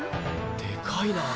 でかいな。